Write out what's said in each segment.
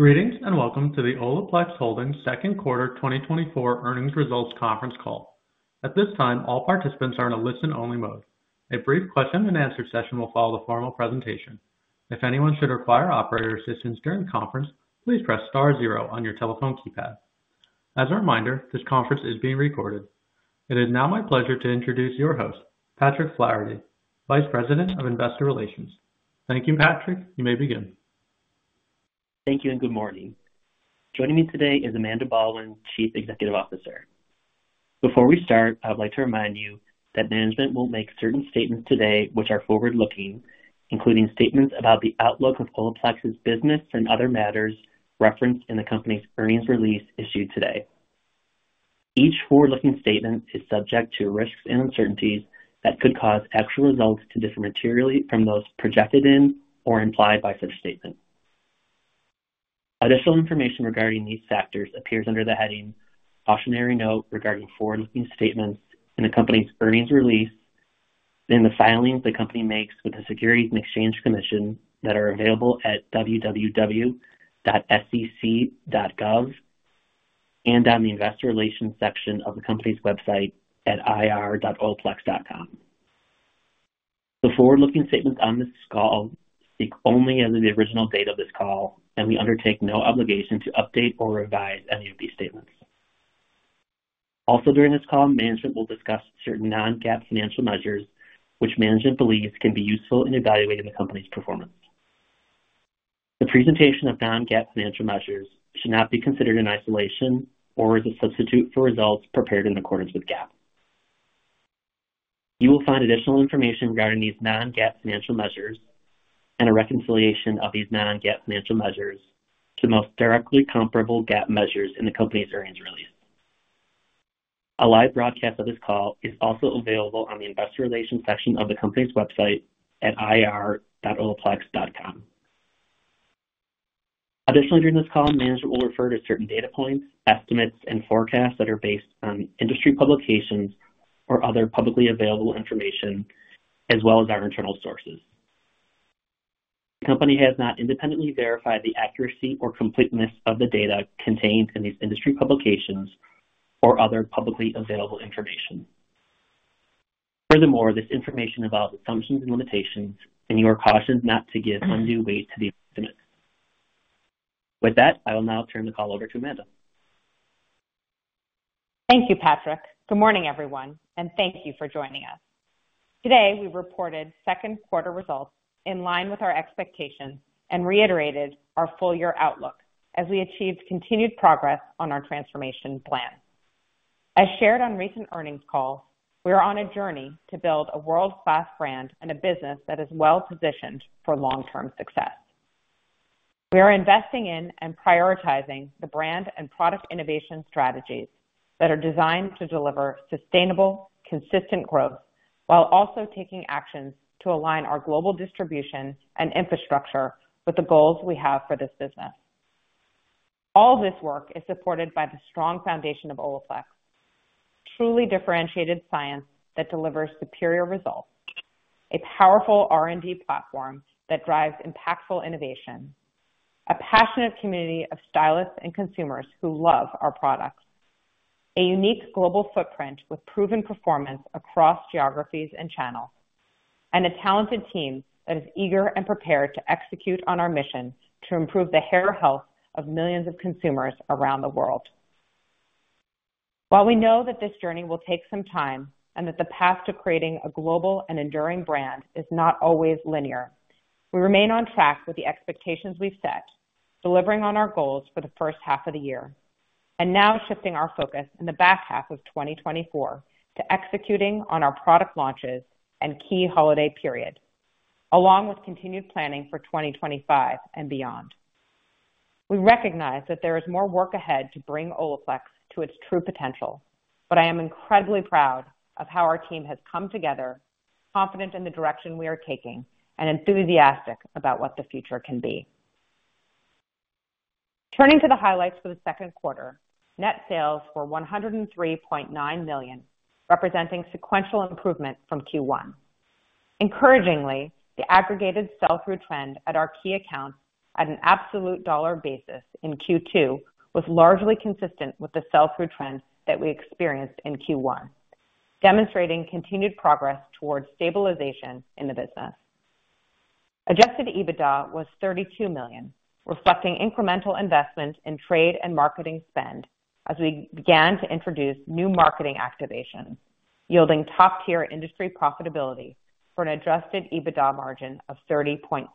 Greetings, and welcome to the Olaplex Holdings second quarter 2024 earnings results conference call. At this time, all participants are in a listen-only mode. A brief question-and-answer session will follow the formal presentation. If anyone should require operator assistance during the conference, please press star zero on your telephone keypad. As a reminder, this conference is being recorded. It is now my pleasure to introduce your host, Patrick Flaherty, Vice President of investor relations. Thank you, Patrick. You may begin. Thank you, and good morning. Joining me today is Amanda Baldwin, Chief Executive Officer. Before we start, I would like to remind you that management will make certain statements today which are forward-looking, including statements about the outlook of Olaplex's business and other matters referenced in the company's earnings release issued today. Each forward-looking statement is subject to risks and uncertainties that could cause actual results to differ materially from those projected in or implied by such statements. Additional information regarding these factors appears under the heading Cautionary Note Regarding Forward-Looking Statements in the company's earnings release. Then the filings the company makes with the Securities and Exchange Commission that are available at www.sec.gov and on the Investor Relations section of the company's website at ir.olaplex.com. The forward-looking statements on this call speak only as of the original date of this call, and we undertake no obligation to update or revise any of these statements. Also, during this call, management will discuss certain non-GAAP financial measures, which management believes can be useful in evaluating the company's performance. The presentation of non-GAAP financial measures should not be considered in isolation or as a substitute for results prepared in accordance with GAAP. You will find additional information regarding these non-GAAP financial measures and a reconciliation of these non-GAAP financial measures to the most directly comparable GAAP measures in the company's earnings release. A live broadcast of this call is also available on the Investor Relations section of the company's website at ir.olaplex.com. Additionally, during this call, management will refer to certain data points, estimates, and forecasts that are based on industry publications or other publicly available information, as well as our internal sources. The company has not independently verified the accuracy or completeness of the data contained in these industry publications or other publicly available information. Furthermore, this information involves assumptions and limitations, and you are cautioned not to give undue weight to the estimates. With that, I will now turn the call over to Amanda. Thank you, Patrick. Good morning, everyone, and thank you for joining us. Today, we reported second quarter results in line with our expectations and reiterated our full year outlook as we achieved continued progress on our transformation plan. As shared on recent earnings calls, we are on a journey to build a world-class brand and a business that is well-positioned for long-term success. We are investing in and prioritizing the brand and product innovation strategies that are designed to deliver sustainable, consistent growth, while also taking actions to align our global distribution and infrastructure with the goals we have for this business. All this work is supported by the strong foundation of Olaplex, truly differentiated science that delivers superior results, a powerful R&D platform that drives impactful innovation, a passionate community of stylists and consumers who love our products, a unique global footprint with proven performance across geographies and channels, and a talented team that is eager and prepared to execute on our mission to improve the hair health of millions of consumers around the world. While we know that this journey will take some time and that the path to creating a global and enduring brand is not always linear, we remain on track with the expectations we've set, delivering on our goals for the first half of the year, and now shifting our focus in the back half of 2024 to executing on our product launches and key holiday period, along with continued planning for 2025 and beyond. We recognize that there is more work ahead to bring Olaplex to its true potential, but I am incredibly proud of how our team has come together, confident in the direction we are taking, and enthusiastic about what the future can be. Turning to the highlights for the second quarter, net sales were $103.9 million, representing sequential improvement from Q1. Encouragingly, the aggregated sell-through trend at our key accounts at an absolute dollar basis in Q2 was largely consistent with the sell-through trend that we experienced in Q1, demonstrating continued progress towards stabilization in the business. Adjusted EBITDA was $32 million, reflecting incremental investment in trade and marketing spend as we began to introduce new marketing activations, yielding top-tier industry profitability for an adjusted EBITDA margin of 30.8%.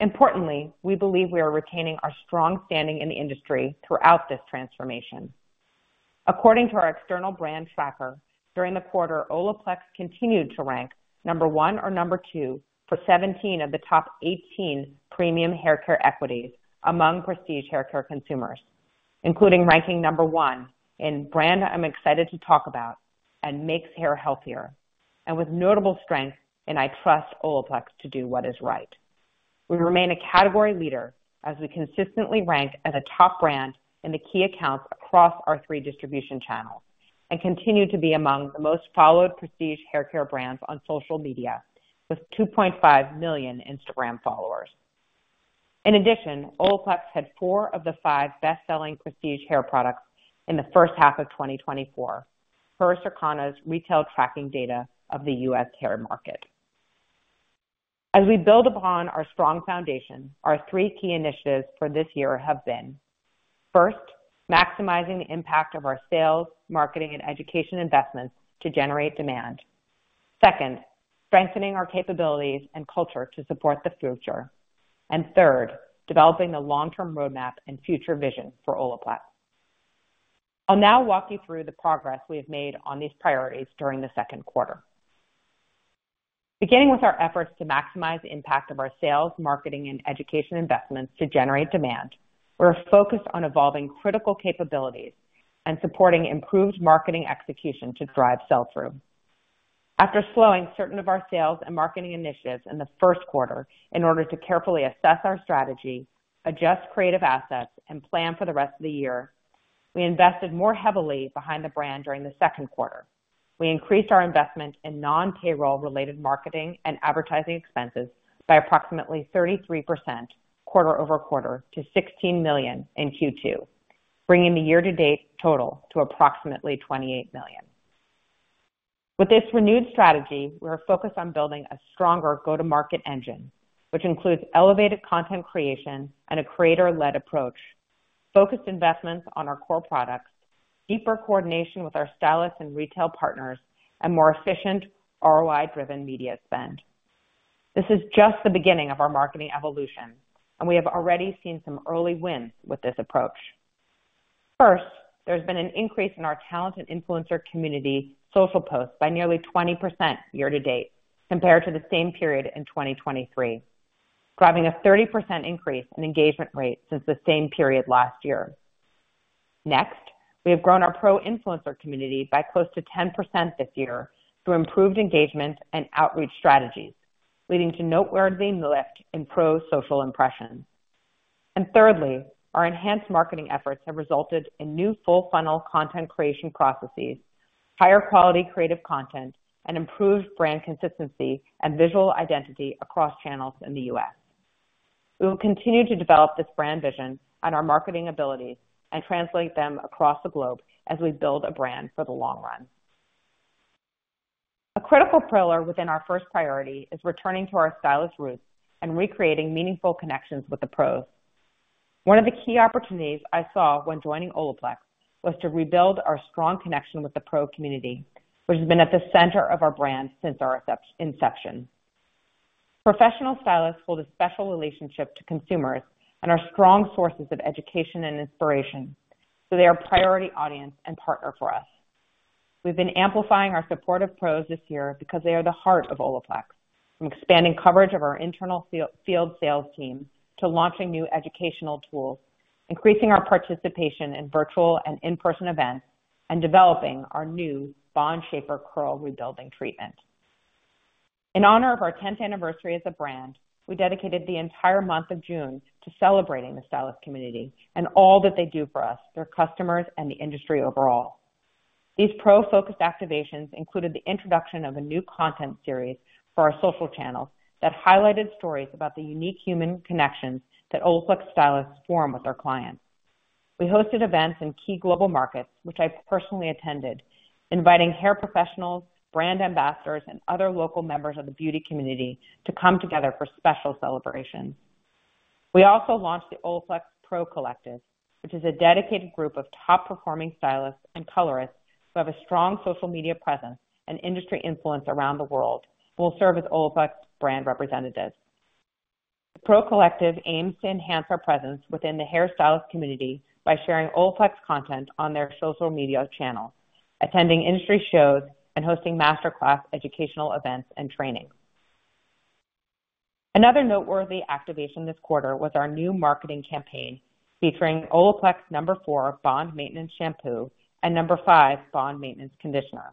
Importantly, we believe we are retaining our strong standing in the industry throughout this transformation. According to our external brand tracker, during the quarter, Olaplex continued to rank number one or number two for 17 of the top 18 premium haircare equities among prestige haircare consumers, including ranking number one in Brand I'm Excited to Talk About and Makes Hair Healthier, and with notable strength in I Trust Olaplex to Do What Is Right. We remain a category leader as we consistently rank as a top brand in the key accounts across our three distribution channels... and continue to be among the most followed prestige haircare brands on social media, with 2.5 million Instagram followers. In addition, Olaplex had 4 of the 5 best-selling prestige hair products in the first half of 2024, per Circana's retail tracking data of the U.S. hair market. As we build upon our strong foundation, our three key initiatives for this year have been, first, maximizing the impact of our sales, marketing, and education investments to generate demand. Second, strengthening our capabilities and culture to support the future. And third, developing the long-term roadmap and future vision for Olaplex. I'll now walk you through the progress we have made on these priorities during the second quarter. Beginning with our efforts to maximize the impact of our sales, marketing, and education investments to generate demand, we're focused on evolving critical capabilities and supporting improved marketing execution to drive sell-through. After slowing certain of our sales and marketing initiatives in the first quarter in order to carefully assess our strategy, adjust creative assets, and plan for the rest of the year, we invested more heavily behind the brand during the second quarter. We increased our investment in non-payroll related marketing and advertising expenses by approximately 33% quarter-over-quarter to $16 million in Q2, bringing the year-to-date total to approximately $28 million. With this renewed strategy, we are focused on building a stronger go-to-market engine, which includes elevated content creation and a creator-led approach, focused investments on our core products, deeper coordination with our stylists and retail partners, and more efficient ROI-driven media spend. This is just the beginning of our marketing evolution, and we have already seen some early wins with this approach. First, there's been an increase in our talented influencer community social posts by nearly 20% year to date, compared to the same period in 2023, driving a 30% increase in engagement rates since the same period last year. Next, we have grown our pro influencer community by close to 10% this year through improved engagement and outreach strategies, leading to noteworthy lift in pro social impressions. And thirdly, our enhanced marketing efforts have resulted in new full funnel content creation processes, higher quality creative content, and improved brand consistency and visual identity across channels in the U.S.. We will continue to develop this brand vision and our marketing abilities and translate them across the globe as we build a brand for the long run. A critical pillar within our first priority is returning to our stylist roots and recreating meaningful connections with the pros. One of the key opportunities I saw when joining Olaplex was to rebuild our strong connection with the pro community, which has been at the center of our brand since our inception. Professional stylists hold a special relationship to consumers and are strong sources of education and inspiration, so they are a priority audience and partner for us. We've been amplifying our support of pros this year because they are the heart of Olaplex, from expanding coverage of our internal field sales team, to launching new educational tools, increasing our participation in virtual and in-person events, and developing our new Bond Shaper Curl Rebuilding Treatment. In honor of our tenth anniversary as a brand, we dedicated the entire month of June to celebrating the stylist community and all that they do for us, their customers, and the industry overall. These pro-focused activations included the introduction of a new content series for our social channels that highlighted stories about the unique human connections that Olaplex stylists form with their clients. We hosted events in key global markets, which I personally attended, inviting hair professionals, brand ambassadors, and other local members of the beauty community to come together for special celebrations. We also launched the Olaplex Pro Collective, which is a dedicated group of top-performing stylists and colorists who have a strong social media presence and industry influence around the world, who will serve as Olaplex brand representatives. The Pro Collective aims to enhance our presence within the hairstylist community by sharing Olaplex content on their social media channels, attending industry shows, and hosting masterclass educational events and training. Another noteworthy activation this quarter was our new marketing campaign featuring Olaplex No. 4 Bond Maintenance Shampoo and No. 5 Bond Maintenance Conditioner.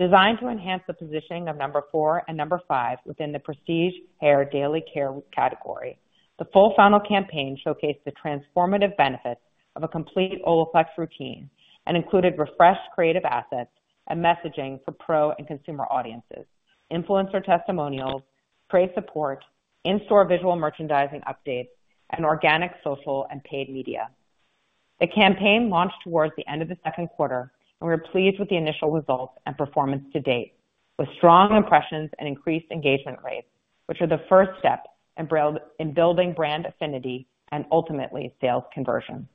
Designed to enhance the positioning of No. 4 and No. 5 within the prestige hair daily care category, the full funnel campaign showcased the transformative benefits of a complete Olaplex routine and included refreshed creative assets and messaging for pro and consumer audiences, influencer testimonials, trade support, in-store visual merchandising updates, and organic, social, and paid media. The campaign launched towards the end of the second quarter, and we are pleased with the initial results and performance to date, with strong impressions and increased engagement rates, which are the first step in building brand affinity and ultimately sales conversion.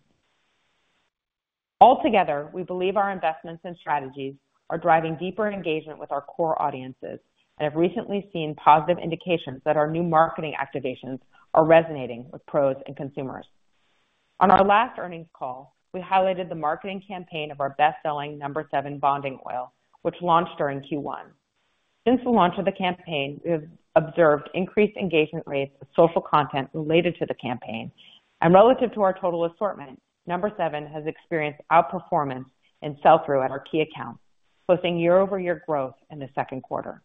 Altogether, we believe our investments and strategies are driving deeper engagement with our core audiences and have recently seen positive indications that our new marketing activations are resonating with pros and consumers. On our last earnings call, we highlighted the marketing campaign of our best-selling No. 7 Bonding Oil, which launched during Q1. Since the launch of the campaign, we have observed increased engagement rates with social content related to the campaign, and relative to our total assortment, No. 7 has experienced outperformance in sell-through at our key accounts, posting year-over-year growth in the second quarter.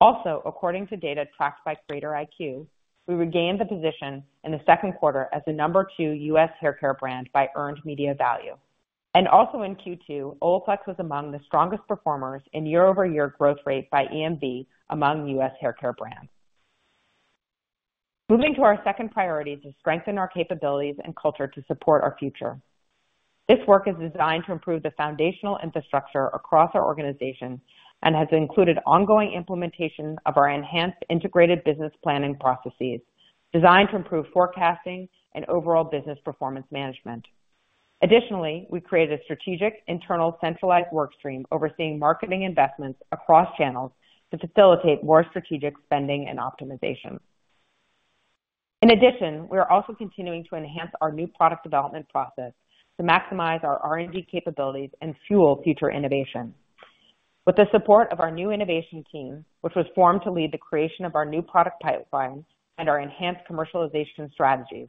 Also, according to data tracked by CreatorIQ, we regained the position in the second quarter as the No. 2 U.S. haircare brand by earned media value. Also in Q2, Olaplex was among the strongest performers in year-over-year growth rate by EMV among U.S. haircare brands. Moving to our second priority, to strengthen our capabilities and culture to support our future. This work is designed to improve the foundational infrastructure across our organization and has included ongoing implementation of our enhanced integrated business planning processes, designed to improve forecasting and overall business performance management. Additionally, we created a strategic internal centralized workstream overseeing marketing investments across channels to facilitate more strategic spending and optimization. In addition, we are also continuing to enhance our new product development process to maximize our R&D capabilities and fuel future innovation. With the support of our new innovation team, which was formed to lead the creation of our new product pipeline and our enhanced commercialization strategies,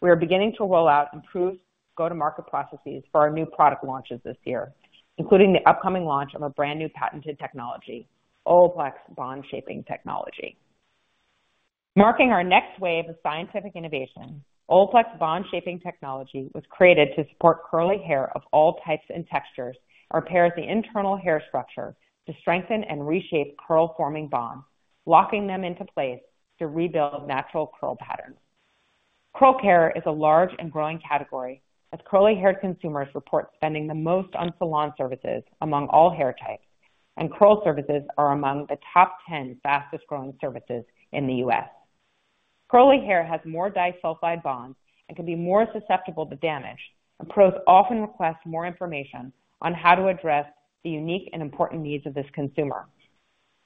we are beginning to roll out improved go-to-market processes for our new product launches this year, including the upcoming launch of a brand-new patented technology, Olaplex Bond Shaping Technology. Marking our next wave of scientific innovation, Olaplex Bond Shaping Technology was created to support curly hair of all types and textures and repairs the internal hair structure to strengthen and reshape curl-forming bonds, locking them into place to rebuild natural curl patterns. Curl care is a large and growing category, as curly hair consumers report spending the most on salon services among all hair types, and curl services are among the top 10 fastest-growing services in the U.S. Curly hair has more disulfide bonds and can be more susceptible to damage, and pros often request more information on how to address the unique and important needs of this consumer.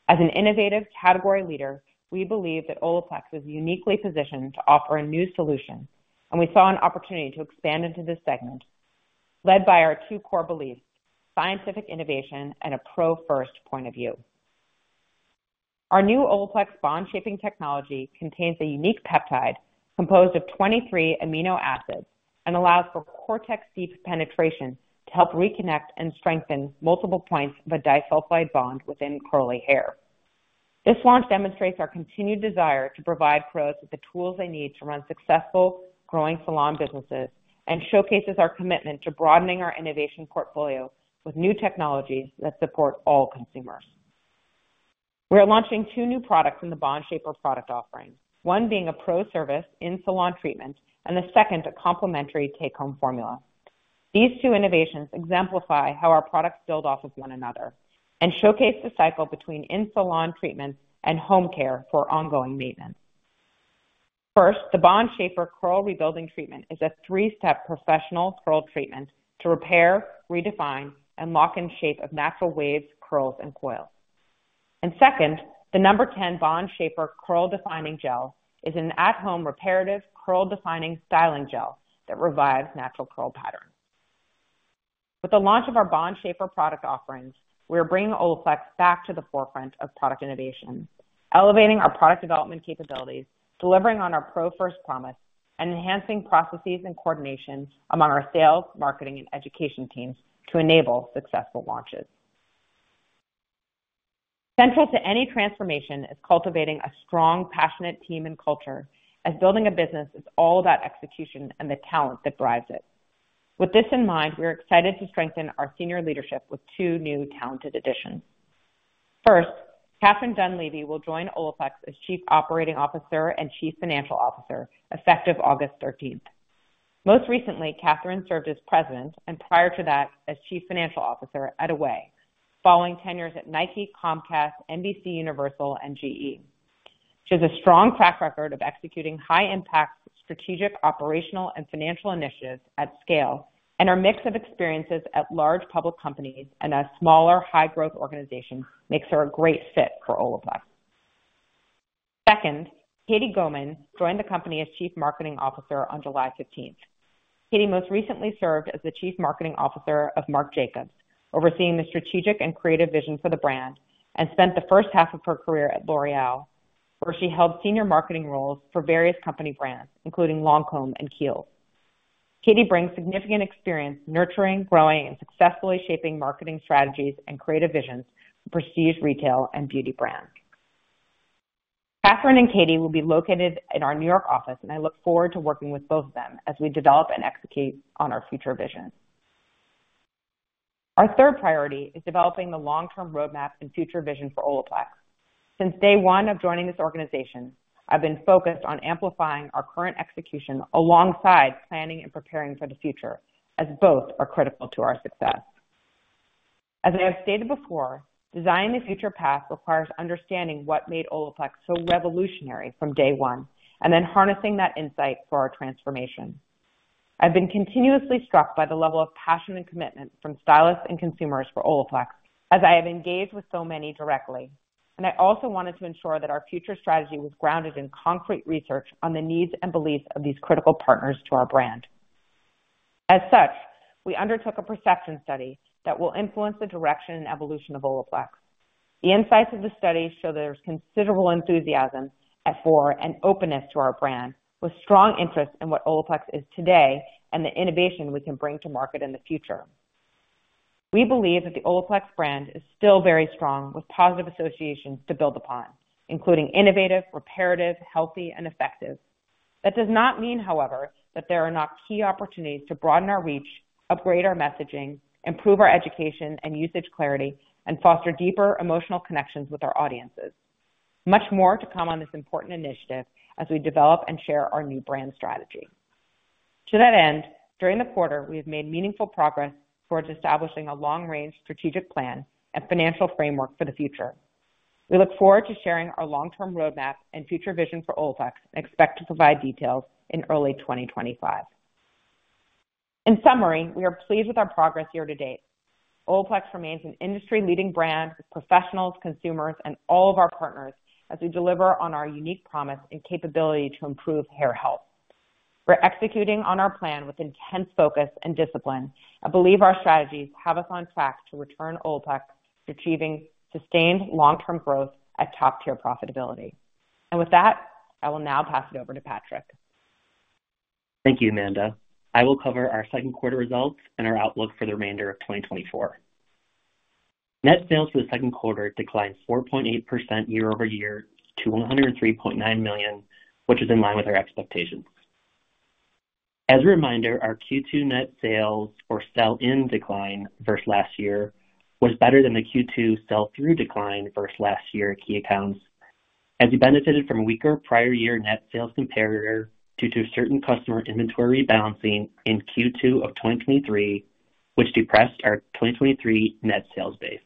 As an innovative category leader, we believe that Olaplex is uniquely positioned to offer a new solution, and we saw an opportunity to expand into this segment, led by our two core beliefs: scientific innovation and a pro-first point of view. Our new Olaplex Bond Shaping Technology contains a unique peptide composed of 23 amino acids and allows for cortex deep penetration to help reconnect and strengthen multiple points of a disulfide bond within curly hair. This launch demonstrates our continued desire to provide pros with the tools they need to run successful, growing salon businesses and showcases our commitment to broadening our innovation portfolio with new technologies that support all consumers. We are launching two new products in the Bond Shaper product offering, one being a pro service in-salon treatment and the second, a complementary take-home formula. These two innovations exemplify how our products build off of one another and showcase the cycle between in-salon treatments and home care for ongoing maintenance. First, the Bond Shaper Curl Rebuilding Treatment is a three-step professional curl treatment to repair, redefine, and lock in shape of natural waves, curls, and coils. And second, the No. 10 Bond Shaper Curl Defining Gel is an at-home reparative, curl-defining styling gel that revives natural curl pattern. With the launch of our Bond Shaper product offerings, we are bringing Olaplex back to the forefront of product innovation, elevating our product development capabilities, delivering on our pro-first promise, and enhancing processes and coordination among our sales, marketing, and education teams to enable successful launches. Central to any transformation is cultivating a strong, passionate team and culture, as building a business is all about execution and the talent that drives it. With this in mind, we are excited to strengthen our senior leadership with two new talented additions. First, Catherine Dunleavy will join Olaplex as Chief Operating Officer and Chief Financial Officer, effective August 13th. Most recently, Catherine served as president, and prior to that, as Chief Financial Officer at Away, following tenures at Nike, Comcast, NBCUniversal, and GE. She has a strong track record of executing high-impact strategic, operational, and financial initiatives at scale, and her mix of experiences at large public companies and a smaller, high-growth organization makes her a great fit for Olaplex. Second, Katie Gohman joined the company as Chief Marketing Officer on July 15th. Katie most recently served as the Chief Marketing Officer of Marc Jacobs, overseeing the strategic and creative vision for the brand, and spent the first half of her career at L'Oréal, where she held senior marketing roles for various company brands, including Lancôme and Kiehl's. Katie brings significant experience nurturing, growing, and successfully shaping marketing strategies and creative visions for prestige, retail, and beauty brands. Catherine and Katie will be located in our New York office, and I look forward to working with both of them as we develop and execute on our future vision. Our third priority is developing the long-term roadmap and future vision for Olaplex. Since day one of joining this organization, I've been focused on amplifying our current execution alongside planning and preparing for the future, as both are critical to our success. As I have stated before, designing the future path requires understanding what made Olaplex so revolutionary from day one, and then harnessing that insight for our transformation. I've been continuously struck by the level of passion and commitment from stylists and consumers for Olaplex as I have engaged with so many directly, and I also wanted to ensure that our future strategy was grounded in concrete research on the needs and beliefs of these critical partners to our brand. As such, we undertook a perception study that will influence the direction and evolution of Olaplex. The insights of the study show there's considerable enthusiasm for our brand and openness to our brand, with strong interest in what Olaplex is today and the innovation we can bring to market in the future.... We believe that the Olaplex brand is still very strong, with positive associations to build upon, including innovative, reparative, healthy and effective. That does not mean, however, that there are not key opportunities to broaden our reach, upgrade our messaging, improve our education and usage clarity, and foster deeper emotional connections with our audiences. Much more to come on this important initiative as we develop and share our new brand strategy. To that end, during the quarter, we have made meaningful progress towards establishing a long-range strategic plan and financial framework for the future. We look forward to sharing our long-term roadmap and future vision for Olaplex and expect to provide details in early 2025. In summary, we are pleased with our progress year-to-date. Olaplex remains an industry-leading brand with professionals, consumers, and all of our partners as we deliver on our unique promise and capability to improve hair health. We're executing on our plan with intense focus and discipline. I believe our strategies have us on track to return Olaplex to achieving sustained long-term growth at top-tier profitability. With that, I will now pass it over to Patrick. Thank you, Amanda. I will cover our second quarter results and our outlook for the remainder of 2024. Net sales for the second quarter declined 4.8% year-over-year to $103.9 million, which is in line with our expectations. As a reminder, our Q2 net sales or sell-in decline versus last year was better than the Q2 sell-through decline versus last year key accounts, as we benefited from a weaker prior year net sales comparator due to certain customer inventory rebalancing in Q2 of 2023, which depressed our 2023 net sales base.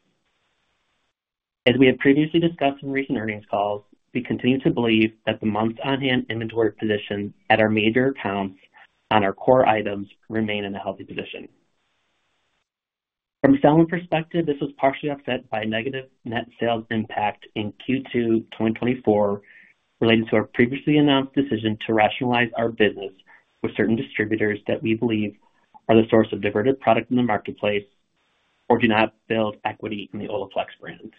As we have previously discussed in recent earnings calls, we continue to believe that the months on hand inventory position at our major accounts on our core items remain in a healthy position. From a sell-in perspective, this was partially offset by a negative net sales impact in Q2 2024, related to our previously announced decision to rationalize our business with certain distributors that we believe are the source of diverted product in the marketplace or do not build equity in the Olaplex brand.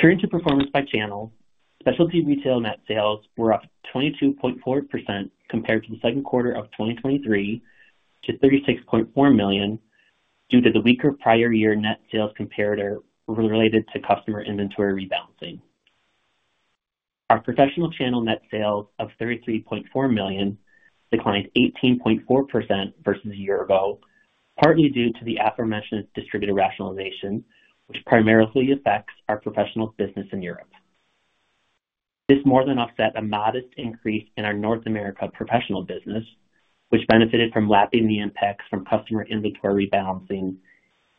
Turning to performance by channel. Specialty retail net sales were up 22.4% compared to the second quarter of 2023 to $36.4 million, due to the weaker prior year net sales comparator related to customer inventory rebalancing. Our professional channel net sales of $33.4 million declined 18.4% versus a year ago, partly due to the aforementioned distributor rationalization, which primarily affects our professional business in Europe. This more than offset a modest increase in our North America professional business, which benefited from lapping the impacts from customer inventory rebalancing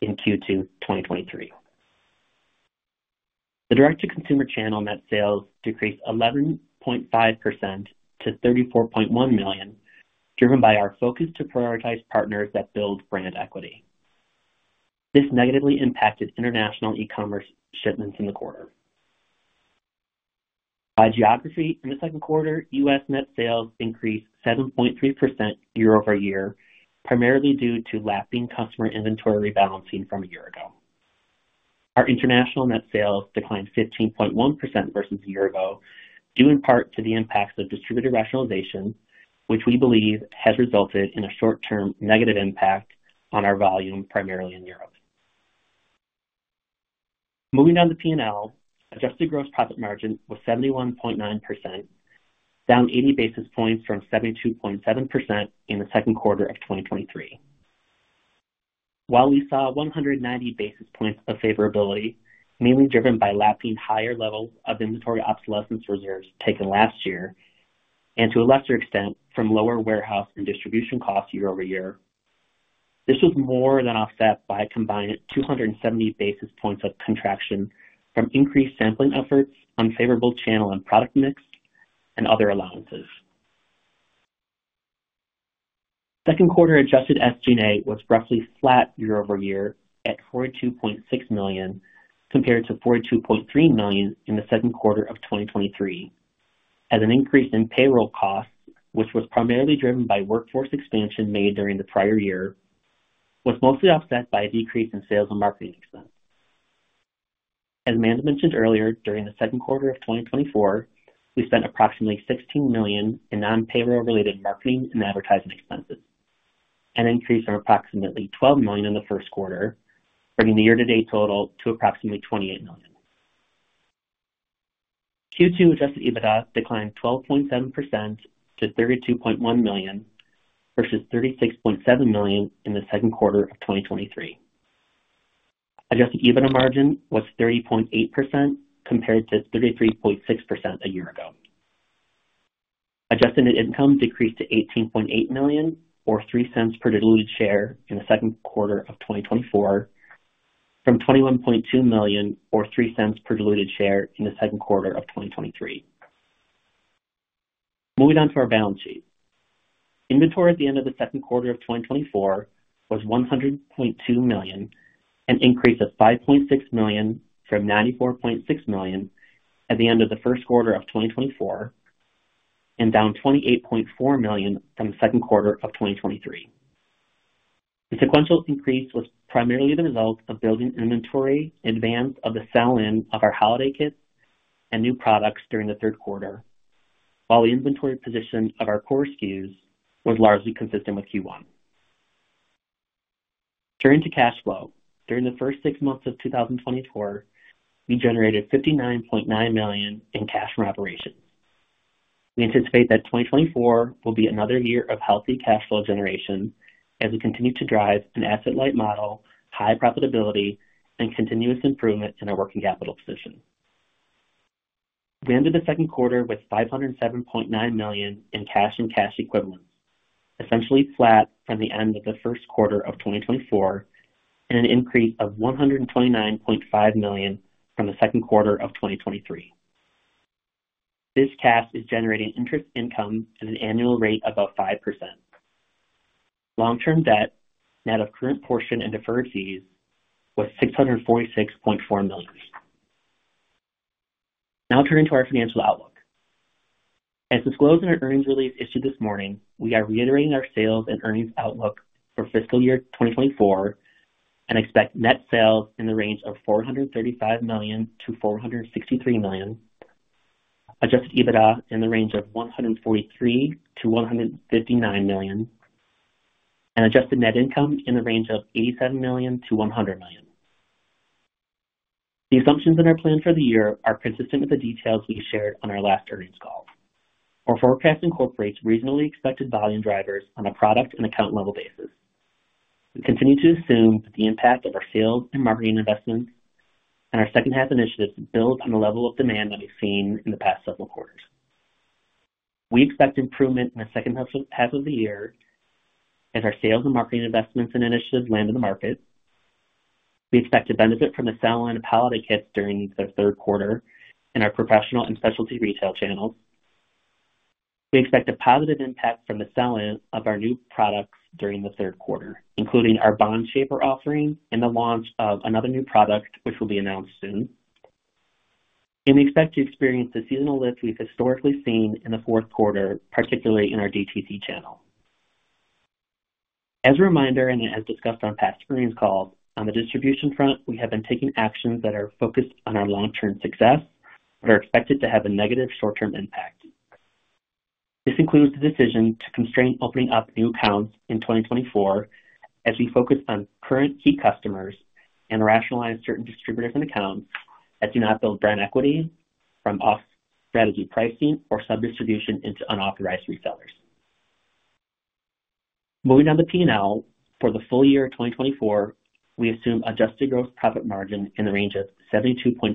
in Q2 2023. The direct-to-consumer channel net sales decreased 11.5% to $34.1 million, driven by our focus to prioritize partners that build brand equity. This negatively impacted international e-commerce shipments in the quarter. By geography, in the second quarter, U.S. net sales increased 7.3% year-over-year, primarily due to lapping customer inventory rebalancing from a year ago. Our international net sales declined 15.1% versus a year ago, due in part to the impacts of distributor rationalization, which we believe has resulted in a short-term negative impact on our volume, primarily in Europe. Moving on to P&L. Adjusted gross profit margin was 71.9%, down 80 basis points from 72.7% in the second quarter of 2023. While we saw 190 basis points of favorability, mainly driven by lapping higher levels of inventory obsolescence reserves taken last year, and to a lesser extent, from lower warehouse and distribution costs year over year, this was more than offset by a combined 270 basis points of contraction from increased sampling efforts, unfavorable channel and product mix, and other allowances. Second quarter adjusted SG&A was roughly flat year over year at $42.6 million, compared to $42.3 million in the second quarter of 2023, as an increase in payroll costs, which was primarily driven by workforce expansion made during the prior year, was mostly offset by a decrease in sales and marketing expense. As Amanda mentioned earlier, during the second quarter of 2024, we spent approximately $16 million in non-payroll related marketing and advertising expenses, an increase from approximately $12 million in the first quarter, bringing the year-to-date total to approximately $28 million. Q2 adjusted EBITDA declined 12.7% to $32.1 million, versus $36.7 million in the second quarter of 2023. Adjusted EBITDA margin was 30.8% compared to 33.6% a year ago. Adjusted net income decreased to $18.8 million, or $0.03 per diluted share in the second quarter of 2024, from $21.2 million or $0.03 per diluted share in the second quarter of 2023. Moving on to our balance sheet. Inventory at the end of the second quarter of 2024 was $102 million, an increase of $5.6 million from $94.6 million at the end of the first quarter of 2024, and down $28.4 million from the second quarter of 2023. The sequential increase was primarily the result of building inventory in advance of the sell-in of our holiday kits and new products during the third quarter. While the inventory position of our core SKUs was largely consistent with Q1. Turning to cash flow, during the first six months of 2024, we generated $59.9 million in cash from operations. We anticipate that 2024 will be another year of healthy cash flow generation as we continue to drive an asset-light model, high profitability, and continuous improvement in our working capital position. We ended the second quarter with $507.9 million in cash and cash equivalents, essentially flat from the end of the first quarter of 2024, and an increase of $129.5 million from the second quarter of 2023. This cash is generating interest income at an annual rate of about 5%. Long-term debt, net of current portion and deferred fees, was $646.4 million. Now turning to our financial outlook. As disclosed in our earnings release issued this morning, we are reiterating our sales and earnings outlook for fiscal year 2024, and expect net sales in the range of $435 million-$463 million, adjusted EBITDA in the range of $143 million-$159 million, and adjusted net income in the range of $87 million-$100 million. The assumptions in our plan for the year are consistent with the details we shared on our last earnings call. Our forecast incorporates reasonably expected volume drivers on a product and account level basis. We continue to assume that the impact of our sales and marketing investments and our second half initiatives build on the level of demand that we've seen in the past several quarters. We expect improvement in the second half, half of the year as our sales and marketing investments and initiatives land in the market. We expect to benefit from a sell-in of holiday kits during the third quarter in our professional and specialty retail channels. We expect a positive impact from the sell-in of our new products during the third quarter, including our Bond Shaper offering and the launch of another new product, which will be announced soon. We expect to experience the seasonal lift we've historically seen in the fourth quarter, particularly in our DTC channel. As a reminder, and as discussed on past earnings calls, on the distribution front, we have been taking actions that are focused on our long-term success, but are expected to have a negative short-term impact. This includes the decision to constrain opening up new accounts in 2024 as we focus on current key customers and rationalize certain distributors and accounts that do not build brand equity from off-strategy pricing or sub-distribution into unauthorized resellers. Moving on to P&L. For the full year of 2024, we assume adjusted gross profit margin in the range of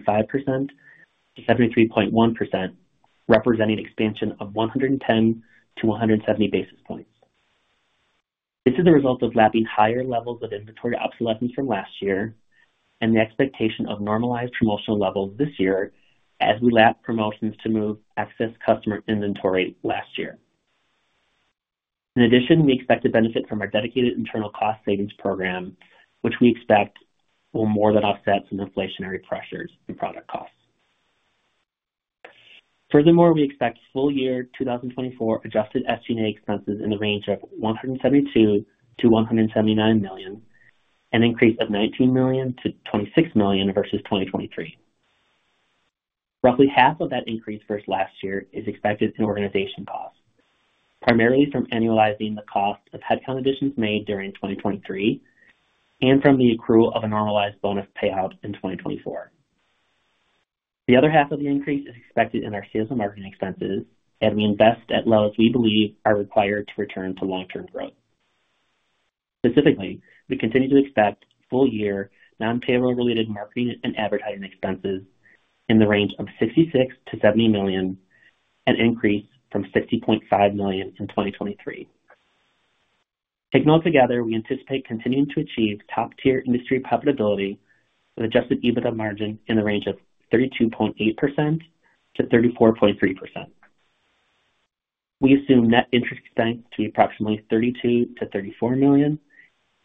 72.5%-73.1%, representing expansion of 110 basis points-170 basis points. This is a result of lapping higher levels of inventory obsolescence from last year and the expectation of normalized promotional levels this year as we lap promotions to move excess customer inventory last year. In addition, we expect to benefit from our dedicated internal cost savings program, which we expect will more than offset some inflationary pressures and product costs. Furthermore, we expect full year 2024 adjusted SG&A expenses in the range of $172 million-$179 million, an increase of $19 million-$26 million versus 2023. Roughly half of that increase versus last year is expected from organization costs, primarily from annualizing the cost of headcount additions made during 2023 and from the accrual of a normalized bonus payout in 2024. The other half of the increase is expected in our sales and marketing expenses, as we invest at levels we believe are required to return to long-term growth. Specifically, we continue to expect full-year non-payroll related marketing and advertising expenses in the range of $66 million-$70 million, an increase from $60.5 million in 2023. Taken all together, we anticipate continuing to achieve top-tier industry profitability with adjusted EBITDA margin in the range of 32.8%-34.3%. We assume net interest expense to be approximately $32 million-$34 million,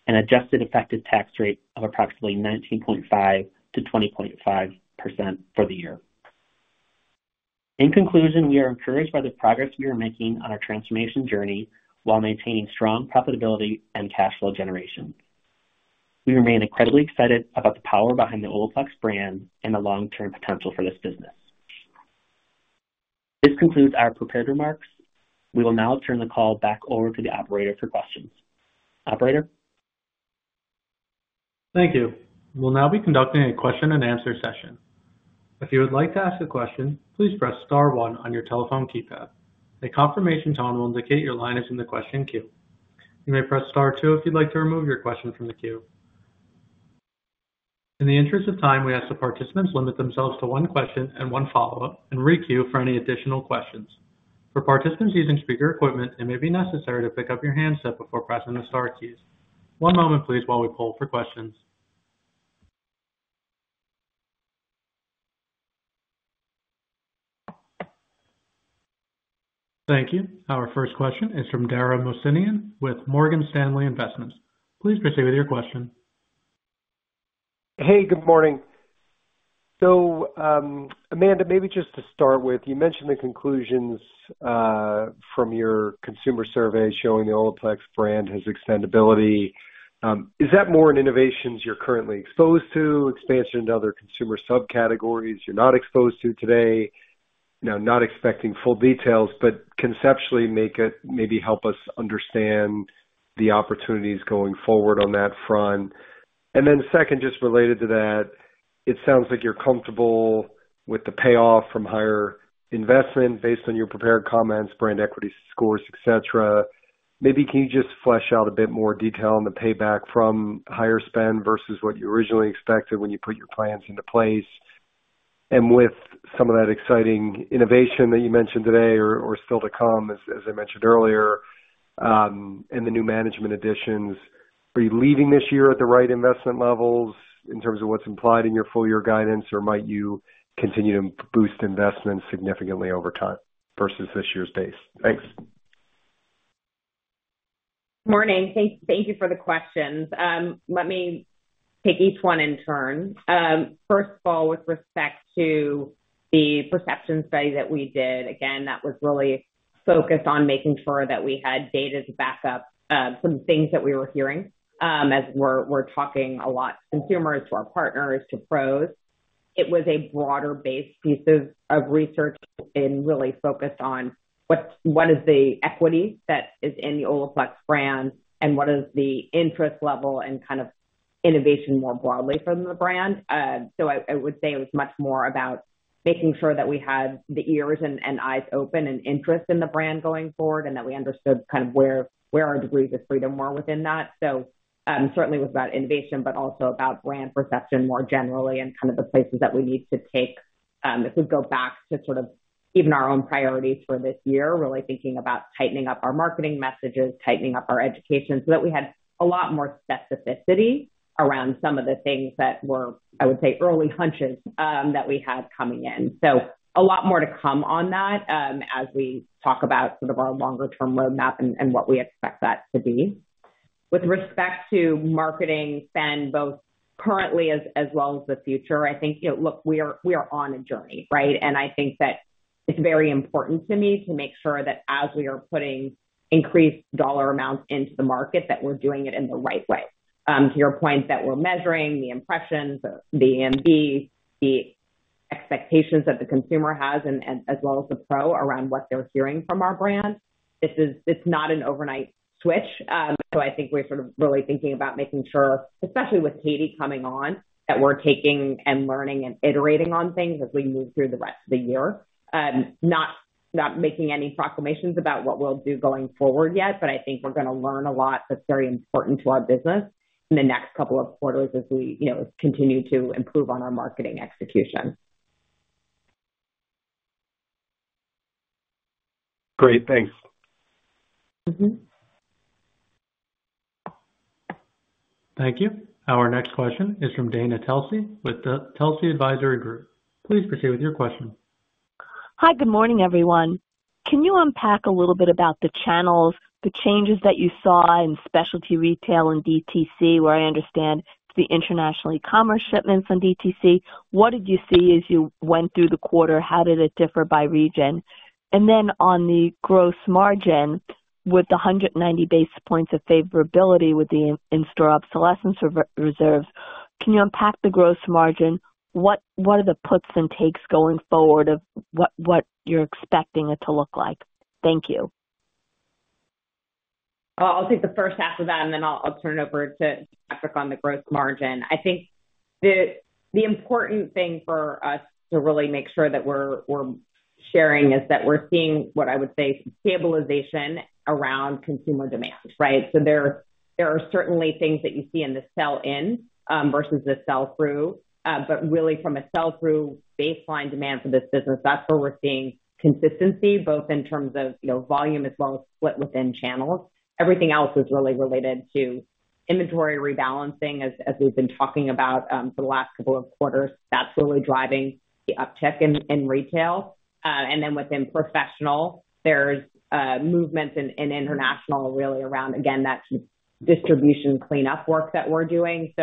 and adjusted effective tax rate of approximately 19.5%-20.5% for the year. In conclusion, we are encouraged by the progress we are making on our transformation journey while maintaining strong profitability and cash flow generation. We remain incredibly excited about the power behind the Olaplex brand and the long-term potential for this business. This concludes our prepared remarks. We will now turn the call back over to the operator for questions. Operator? Thank you. We'll now be conducting a question-and-answer session. If you would like to ask a question, please press star one on your telephone keypad. A confirmation tone will indicate your line is in the question queue. You may press Star two if you'd like to remove your question from the queue. In the interest of time, we ask that participants limit themselves to one question and one follow-up and requeue for any additional questions. For participants using speaker equipment, it may be necessary to pick up your handset before pressing the star keys. One moment, please, while we poll for questions. Thank you. Our first question is from Dara Mohsenian with Morgan Stanley Investments. Please proceed with your question. Hey, good morning. So, Amanda, maybe just to start with, you mentioned the conclusions from your consumer survey showing the Olaplex brand has extendability. Is that more in innovations you're currently exposed to, expansion into other consumer subcategories you're not exposed to today? You know, not expecting full details, but conceptually, make it, maybe help us understand the opportunities going forward on that front. And then second, just related to that, it sounds like you're comfortable with the payoff from higher investment based on your prepared comments, brand equity scores, et cetera. Maybe can you just flesh out a bit more detail on the payback from higher spend versus what you originally expected when you put your plans into place? With some of that exciting innovation that you mentioned today, or still to come, as I mentioned earlier, and the new management additions, are you leaving this year at the right investment levels in terms of what's implied in your full year guidance, or might you continue to boost investment significantly over time versus this year's pace? Thanks. Morning. Thank you for the questions. Let me take each one in turn. First of all, with respect to the perception study that we did, again, that was really focused on making sure that we had data to back up some things that we were hearing, as we're talking a lot to consumers, to our partners, to pros. It was a broader base piece of research and really focused on what is the equity that is in the Olaplex brand and what is the interest level and kind of innovation more broadly from the brand. So I would say it was much more about making sure that we had the ears and eyes open and interest in the brand going forward, and that we understood kind of where our degrees of freedom were within that. So, certainly was about innovation, but also about brand perception more generally, and kind of the places that we need to take. If we go back to sort of even our own priorities for this year, really thinking about tightening up our marketing messages, tightening up our education, so that we had a lot more specificity around some of the things that were, I would say, early hunches, that we had coming in. So a lot more to come on that, as we talk about sort of our longer term roadmap and, and what we expect that to be. With respect to marketing spend, both currently as, as well as the future, I think, you know, look, we are, we are on a journey, right? I think that it's very important to me to make sure that as we are putting increased dollar amounts into the market, that we're doing it in the right way. To your point, that we're measuring the impressions, the EMV, the expectations that the consumer has and as well as the pros around what they're hearing from our brand. This is... It's not an overnight switch. So I think we're sort of really thinking about making sure, especially with Katie coming on, that we're taking and learning and iterating on things as we move through the rest of the year. Not making any proclamations about what we'll do going forward yet, but I think we're gonna learn a lot that's very important to our business in the next couple of quarters as we, you know, continue to improve on our marketing execution. Great, thanks. Mm-hmm. Thank you. Our next question is from Dana Telsey with the Telsey Advisory Group. Please proceed with your question. Hi, good morning, everyone. Can you unpack a little bit about the channels, the changes that you saw in specialty retail and DTC, where I understand the international e-commerce shipments and DTC? What did you see as you went through the quarter? How did it differ by region? And then on the gross margin, with the 190 basis points of favorability with the in-store obsolescence reserves, can you unpack the gross margin? What, what are the puts and takes going forward of what, what you're expecting it to look like? Thank you. I'll take the first half of that, and then I'll turn it over to Patrick on the gross margin. I think the important thing for us to really make sure that we're sharing is that we're seeing what I would say some stabilization around consumer demand, right? So there are certainly things that you see in the sell-in versus the sell-through. But really from a sell-through baseline demand for this business, that's where we're seeing consistency, both in terms of, you know, volume as well as split within channels. Everything else is really related to inventory rebalancing, as we've been talking about for the last couple of quarters. That's really driving the uptick in retail. And then within professional, there's movements in international really around, again, that distribution cleanup work that we're doing.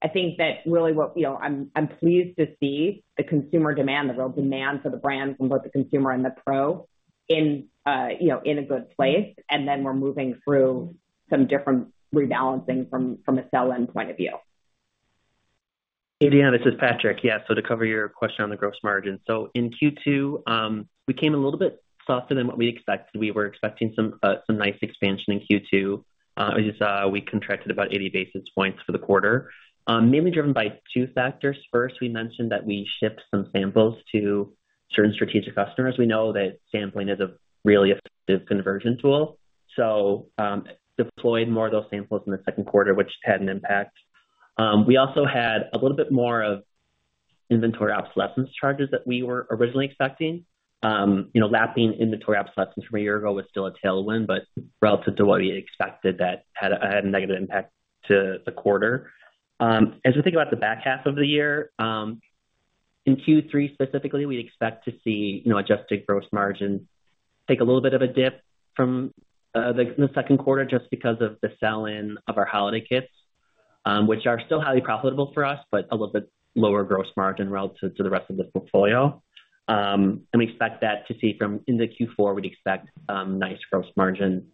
I think that really what... You know, I'm pleased to see the consumer demand, the real demand for the brand from both the consumer and the pro, in, you know, in a good place, and then we're moving through some different rebalancing from a sell-in point of view. Hey, Dana, this is Patrick. Yeah, so to cover your question on the gross margin. So in Q2, we came in a little bit softer than what we expected. We were expecting some nice expansion in Q2. We just contracted about 80 basis points for the quarter, mainly driven by two factors. First, we mentioned that we shipped some samples to certain strategic customers. We know that sampling is a really effective conversion tool, so, deployed more of those samples in the second quarter, which had an impact. We also had a little bit more of inventory obsolescence charges than we were originally expecting. You know, lapping inventory obsolescence from a year ago was still a tailwind, but relative to what we expected, that had a negative impact to the quarter. As we think about the back half of the year, in Q3 specifically, we'd expect to see, you know, adjusted gross margin take a little bit of a dip from the second quarter just because of the sell-in of our holiday kits, which are still highly profitable for us, but a little bit lower gross margin relative to the rest of the portfolio. And we expect that to see from into Q4, we'd expect nice gross margin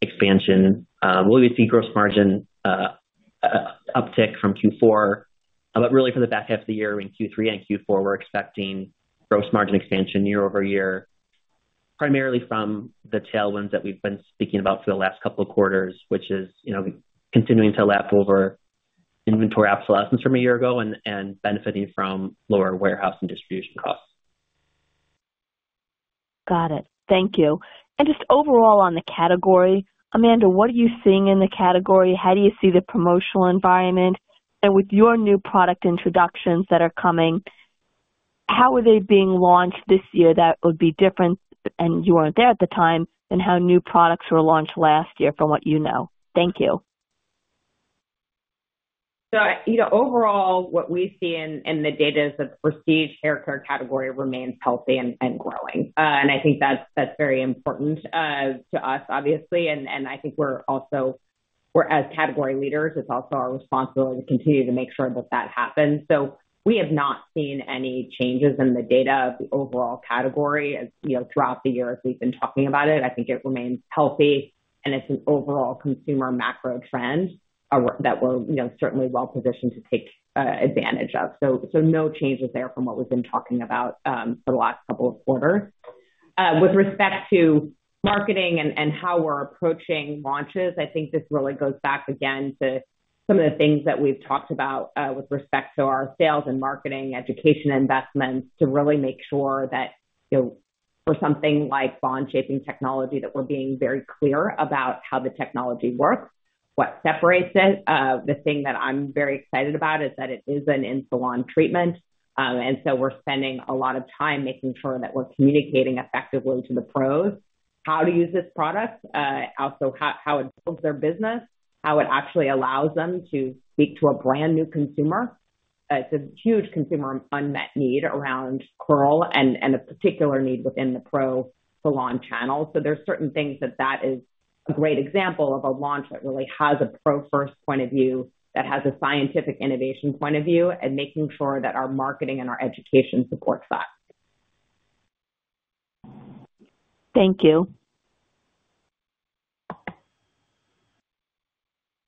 expansion. Will we see gross margin uptick from Q4? But really, for the back half of the year, in Q3 and Q4, we're expecting gross margin expansion year-over-year, primarily from the tailwinds that we've been speaking about for the last couple of quarters, which is, you know, continuing to lap over inventory obsolescence from a year ago and benefiting from lower warehouse and distribution costs. Got it. Thank you. And just overall on the category, Amanda, what are you seeing in the category? How do you see the promotional environment? And with your new product introductions that are coming, how are they being launched this year that would be different, and you weren't there at the time, and how new products were launched last year, from what you know? Thank you. So, you know, overall, what we see in the data is the prestige haircare category remains healthy and growing. And I think that's very important to us, obviously. And I think we're also as category leaders, it's also our responsibility to continue to make sure that that happens. So we have not seen any changes in the data of the overall category as, you know, throughout the year, as we've been talking about it. I think it remains healthy, and it's an overall consumer macro trend that we're, you know, certainly well positioned to take advantage of. So no changes there from what we've been talking about for the last couple of quarters. With respect to marketing and how we're approaching launches, I think this really goes back again to some of the things that we've talked about with respect to our sales and marketing education investments, to really make sure that, you know, for something like Bond Shaping Technology, that we're being very clear about how the technology works, what separates it. The thing that I'm very excited about is that it is an in-salon treatment. And so we're spending a lot of time making sure that we're communicating effectively to the pros, how to use this product, also how it builds their business, how it actually allows them to speak to a brand new consumer. It's a huge consumer unmet need around curl and a particular need within the pro salon channel. There's certain things that is a great example of a launch that really has a pro-first point of view, that has a scientific innovation point of view, and making sure that our marketing and our education supports that. Thank you.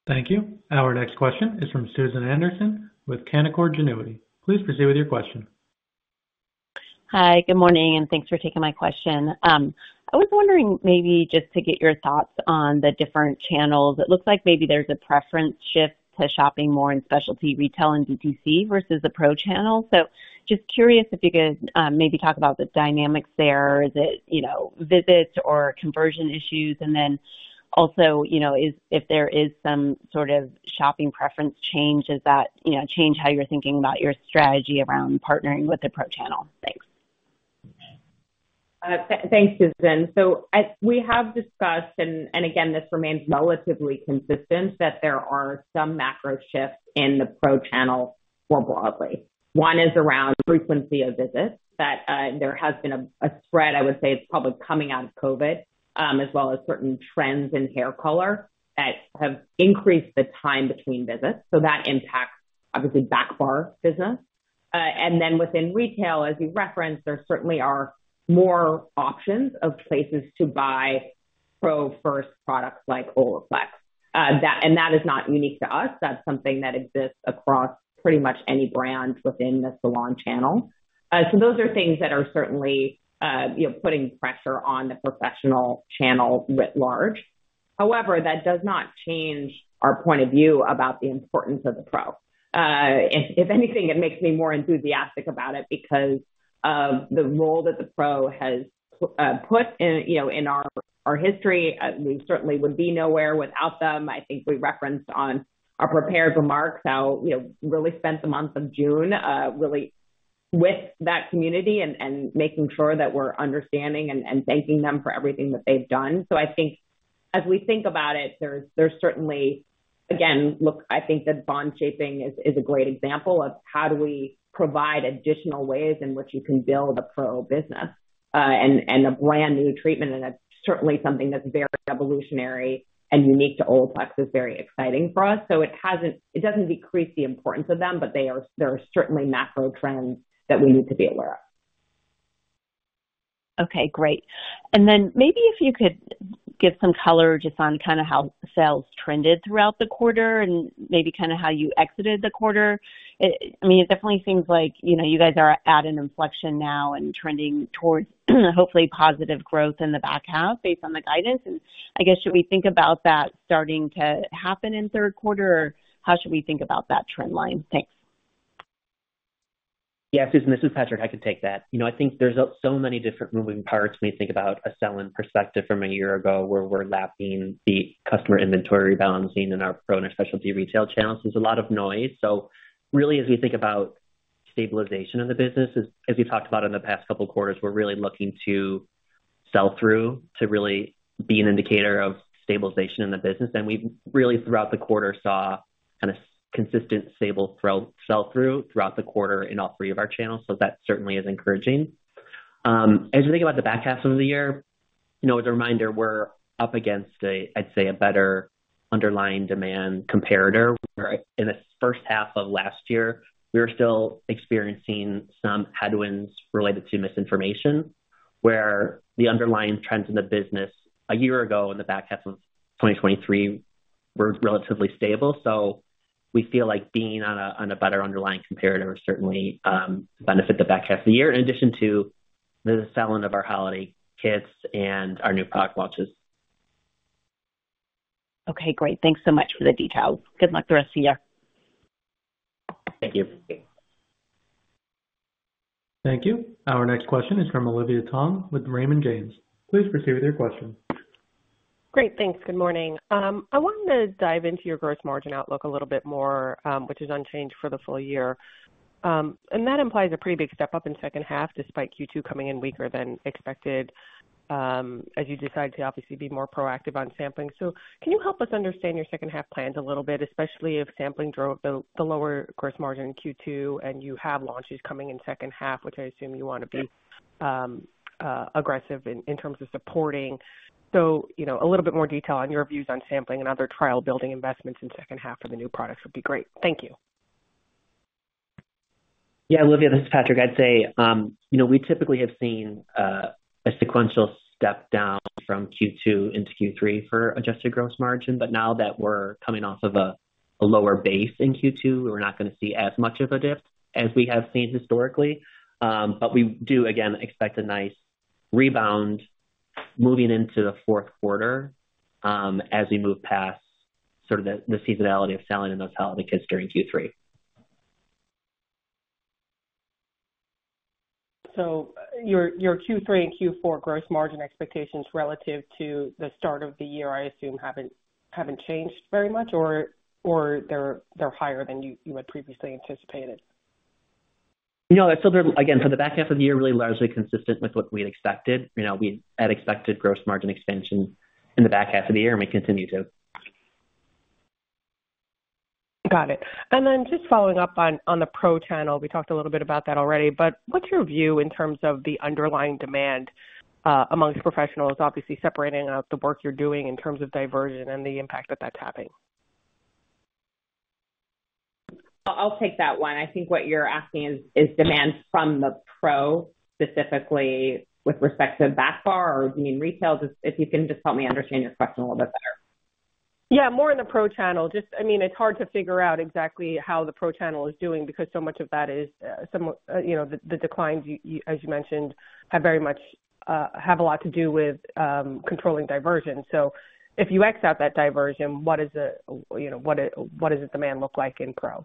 Thank you. Our next question is from Susan Anderson with Canaccord Genuity. Please proceed with your question. Hi, good morning, and thanks for taking my question. I was wondering, maybe just to get your thoughts on the different channels. It looks like maybe there's a preference shift to shopping more in specialty retail and DTC versus the pro channel. So just curious if you could, maybe talk about the dynamics there. Is it, you know, visits or conversion issues? And then also, you know, if, if there is some sort of shopping preference change, does that, you know, change how you're thinking about your strategy around partnering with the pro channel? Thanks. Thanks, Susan. So as we have discussed, and again, this remains relatively consistent, that there are some macro shifts in the pro channel more broadly. One is around frequency of visits, that there has been a spread, I would say, it's probably coming out of COVID, as well as certain trends in hair color that have increased the time between visits, so that impacts, obviously, backbar business. And then within retail, as you referenced, there certainly are more options of places to buy pro-first products like Olaplex. That... and that is not unique to us. That's something that exists across pretty much any brand within the salon channel. So those are things that are certainly, you know, putting pressure on the professional channel writ large. However, that does not change our point of view about the importance of the pro. If anything, it makes me more enthusiastic about it because of the role that the pro has put in, you know, in our history. We certainly would be nowhere without them. I think we referenced in our prepared remarks how we really spent the month of June really with that community and making sure that we're understanding and thanking them for everything that they've done. So I think as we think about it, there's certainly... Again, look, I think that bond shaping is a great example of how do we provide additional ways in which you can build a pro business, and a brand new treatment, and that's certainly something that's very revolutionary and unique to Olaplex, is very exciting for us. So it doesn't decrease the importance of them, but there are certainly macro trends that we need to be aware of. Okay, great. And then maybe if you could give some color just on kind of how sales trended throughout the quarter and maybe kind of how you exited the quarter. It—I mean, it definitely seems like, you know, you guys are at an inflection now and trending towards, hopefully, positive growth in the back half based on the guidance. And I guess, should we think about that starting to happen in third quarter, or how should we think about that trend line? Thanks. Yeah, Susan, this is Patrick. I can take that. You know, I think there's so many different moving parts when you think about a sell-in perspective from a year ago, where we're lapping the customer inventory balancing in our pro and our specialty retail channels. There's a lot of noise. So really, as we think about stabilization of the business, as we've talked about in the past couple of quarters, we're really looking to sell-through to really be an indicator of stabilization in the business. And we've really, throughout the quarter, saw kind of consistent, stable sell-through throughout the quarter in all three of our channels. So that certainly is encouraging.... As you think about the back half of the year, you know, as a reminder, we're up against a, I'd say, a better underlying demand comparator, where in the first half of last year, we were still experiencing some headwinds related to misinformation, where the underlying trends in the business a year ago, in the back half of 2023, were relatively stable. So we feel like being on a, on a better underlying comparator will certainly benefit the back half of the year, in addition to the selling of our holiday kits and our new product launches. Okay, great. Thanks so much for the details. Good luck the rest of the year. Thank you. Thank you. Our next question is from Olivia Tong with Raymond James. Please proceed with your question. Great, thanks. Good morning. I wanted to dive into your gross margin outlook a little bit more, which is unchanged for the full year. And that implies a pretty big step up in second half, despite Q2 coming in weaker than expected, as you decide to obviously be more proactive on sampling. So can you help us understand your second half plans a little bit, especially if sampling drove the lower gross margin in Q2, and you have launches coming in second half, which I assume you want to be aggressive in terms of supporting. So, you know, a little bit more detail on your views on sampling and other trial building investments in second half for the new products would be great. Thank you. Yeah, Olivia, this is Patrick. I'd say, you know, we typically have seen a sequential step down from Q2 into Q3 for adjusted gross margin, but now that we're coming off of a lower base in Q2, we're not gonna see as much of a dip as we have seen historically. But we do, again, expect a nice rebound moving into the fourth quarter, as we move past sort of the seasonality of selling in those holiday kits during Q3. So your Q3 and Q4 gross margin expectations relative to the start of the year, I assume, haven't changed very much, or they're higher than you had previously anticipated? You know, that's still there, again, for the back half of the year, really largely consistent with what we had expected. You know, we had expected gross margin expansion in the back half of the year, and we continue to. Got it. And then just following up on the pro channel, we talked a little bit about that already, but what's your view in terms of the underlying demand, among professionals? Obviously, separating out the work you're doing in terms of diversion and the impact that that's having. I'll take that one. I think what you're asking is, is demand from the pro, specifically with respect to back bar or do you mean retail? If you can just help me understand your question a little bit better. Yeah, more in the pro channel. Just, I mean, it's hard to figure out exactly how the pro channel is doing because so much of that is, you know, the declines, as you mentioned, have very much a lot to do with controlling diversion. So if you ex out that diversion, what is the, you know, what, what does the demand look like in pro?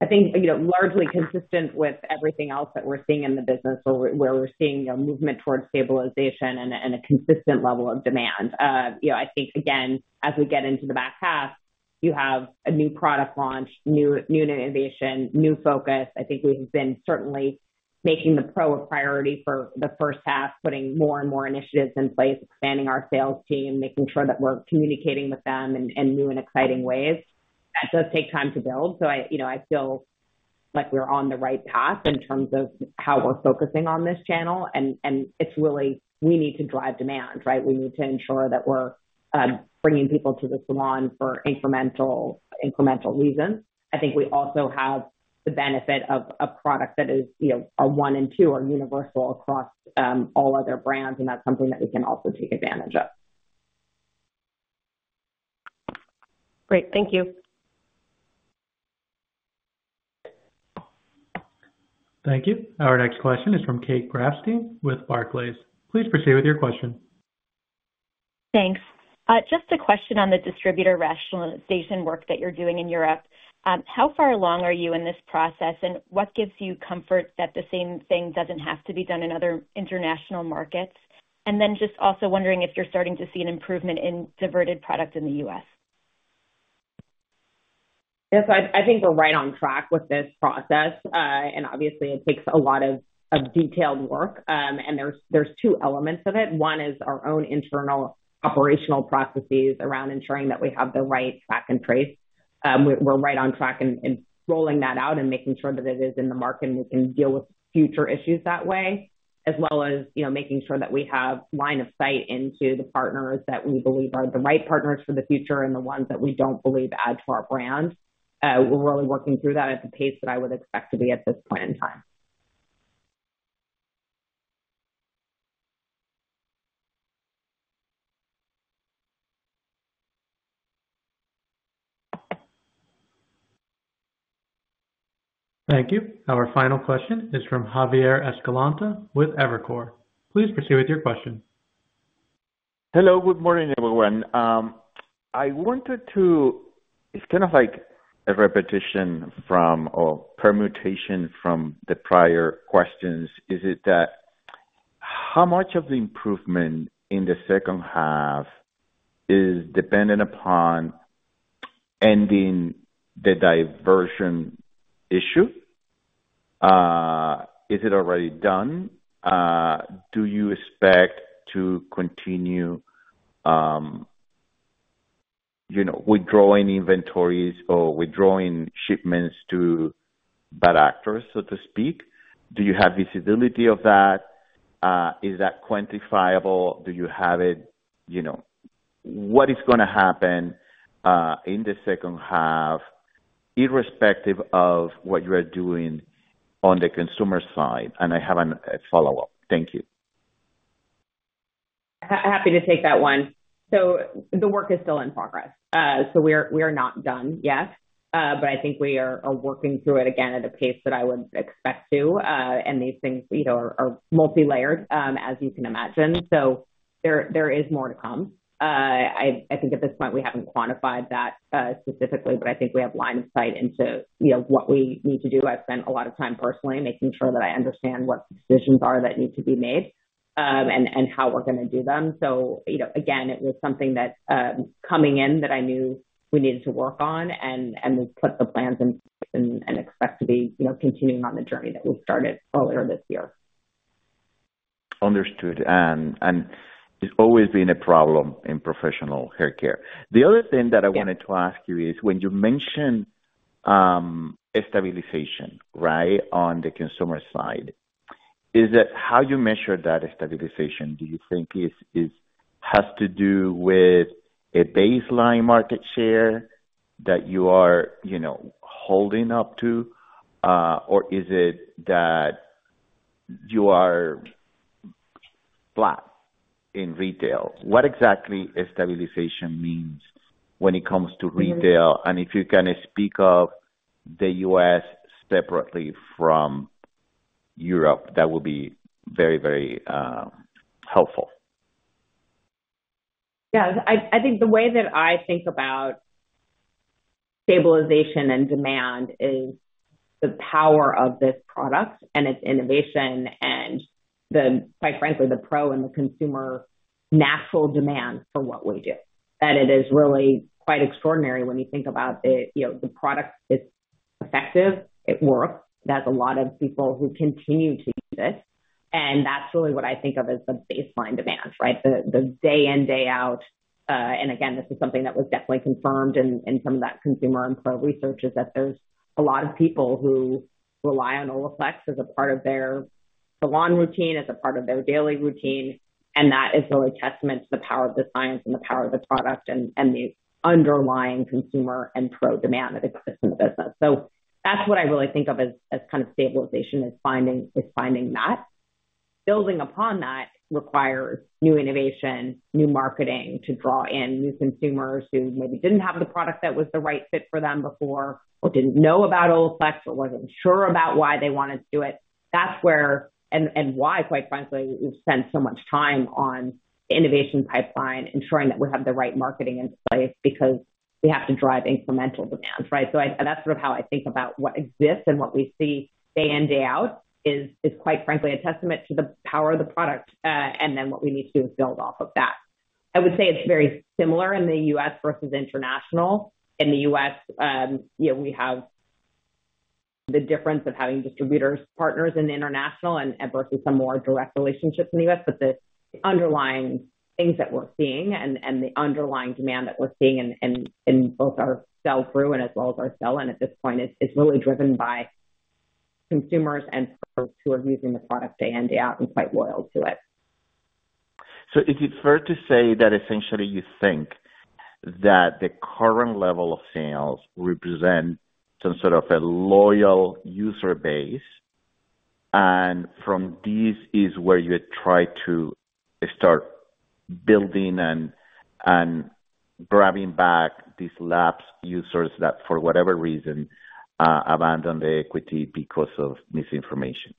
I think, you know, largely consistent with everything else that we're seeing in the business, where we're seeing, you know, movement towards stabilization and a consistent level of demand. You know, I think, again, as we get into the back half, you have a new product launch, new innovation, new focus. I think we have been certainly making the pro a priority for the first half, putting more and more initiatives in place, expanding our sales team, making sure that we're communicating with them in new and exciting ways. That does take time to build. So I, you know, I feel like we're on the right path in terms of how we're focusing on this channel, and it's really, we need to drive demand, right? We need to ensure that we're bringing people to the salon for incremental reasons. I think we also have the benefit of product that is, you know, No. 1 and No. 2 are universal across all other brands, and that's something that we can also take advantage of. Great. Thank you. Thank you. Our next question is from Kate Grafstein with Barclays. Please proceed with your question. Thanks. Just a question on the distributor rationalization work that you're doing in Europe. How far along are you in this process, and what gives you comfort that the same thing doesn't have to be done in other international markets? And then just also wondering if you're starting to see an improvement in diverted product in the U.S. Yes, I think we're right on track with this process. Obviously, it takes a lot of detailed work. There's two elements of it. One is our own internal operational processes around ensuring that we have the right track and trace. We're right on track in rolling that out and making sure that it is in the market, and we can deal with future issues that way, as well as, you know, making sure that we have line of sight into the partners that we believe are the right partners for the future, and the ones that we don't believe add to our brand. We're really working through that at the pace that I would expect to be at this point in time. Thank you. Our final question is from Javier Escalante with Evercore. Please proceed with your question. Hello, good morning, everyone. It's kind of like a repetition from, or permutation from the prior questions. Is it that, how much of the improvement in the second half is dependent upon ending the diversion issue? Is it already done? Do you expect to continue, you know, withdrawing inventories or withdrawing shipments to bad actors, so to speak? Do you have visibility of that? Is that quantifiable? Do you have it, you know, what is gonna happen in the second half, irrespective of what you are doing on the consumer side? And I have a follow-up. Thank you. Happy to take that one. So the work is still in progress. So we are not done yet, but I think we are working through it again at a pace that I would expect to, and these things, you know, are multilayered, as you can imagine, so there is more to come. I think at this point, we haven't quantified that, specifically, but I think we have line of sight into, you know, what we need to do. I've spent a lot of time personally making sure that I understand what decisions are that need to be made, and how we're gonna do them. You know, again, it was something that, coming in that I knew we needed to work on and we've put the plans in and expect to be, you know, continuing on the journey that we started earlier this year. Understood. And it's always been a problem in professional hair care. The other thing that I wanted to ask you is when you mention, a stabilization, right, on the consumer side, is that how you measure that stabilization, has to do with a baseline market share that you are, you know, holding up to? Or is it that you are flat in retail? What exactly a stabilization means when it comes to retail? And if you can speak of the U.S. separately from Europe, that would be very, very, helpful. Yeah, I think the way that I think about stabilization and demand is the power of this product and its innovation and the... quite frankly, the pro and the consumer natural demand for what we do. That it is really quite extraordinary when you think about it, you know, the product is effective, it works. There's a lot of people who continue to use it, and that's really what I think of as the baseline demand, right? The day in, day out, and again, this is something that was definitely confirmed in some of that consumer and pro research, is that there's a lot of people who rely on Olaplex as a part of their salon routine, as a part of their daily routine, and that is really testament to the power of the science and the power of the product and the underlying consumer and pro demand that exists in the business. So that's what I really think of as kind of stabilization, is finding that. Building upon that requires new innovation, new marketing to draw in new consumers who maybe didn't have the product that was the right fit for them before, or didn't know about Olaplex, or wasn't sure about why they wanted to do it. That's where and why, quite frankly, we've spent so much time on the innovation pipeline, ensuring that we have the right marketing into place because we have to drive incremental demand, right? So that's sort of how I think about what exists and what we see day in, day out is quite frankly a testament to the power of the product, and then what we need to do is build off of that. I would say it's very similar in the U.S. versus international. In the U.S., you know, we have the difference of having distributors, partners in the international and versus some more direct relationships in the U.S., but the underlying things that we're seeing and the underlying demand that we're seeing in both our sell-through and as well as our sell-in at this point is really driven by consumers and pros who are using the product day in, day out and quite loyal to it. So is it fair to say that essentially you think that the current level of sales represent some sort of a loyal user base, and from this is where you try to start building and grabbing back these lapsed users that, for whatever reason, abandoned the equity because of misinformation?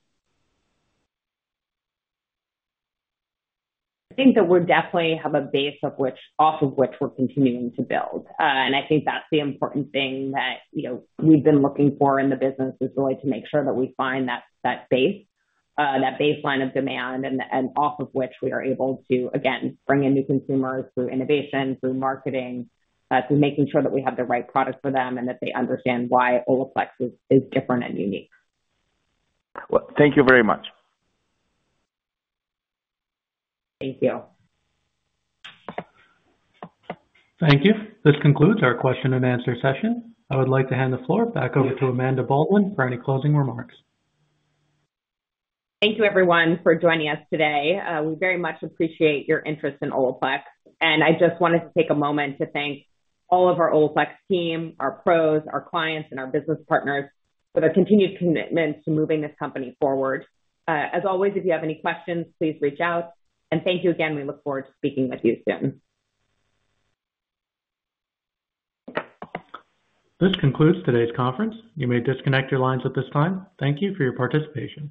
I think that we're definitely have a base off of which we're continuing to build. And I think that's the important thing that, you know, we've been looking for in the business, is really to make sure that we find that base, that baseline of demand, and off of which we are able to, again, bring in new consumers through innovation, through marketing, through making sure that we have the right product for them and that they understand why Olaplex is different and unique. Well, thank you very much. Thank you. Thank you. This concludes our question and answer session. I would like to hand the floor back over to Amanda Baldwin for any closing remarks. Thank you, everyone, for joining us today. We very much appreciate your interest in Olaplex, and I just wanted to take a moment to thank all of our Olaplex team, our pros, our clients, and our business partners for their continued commitment to moving this company forward. As always, if you have any questions, please reach out. Thank you again. We look forward to speaking with you soon. This concludes today's conference. You may disconnect your lines at this time. Thank you for your participation.